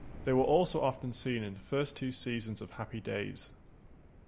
They were also often seen in the first two seasons of "Happy Days".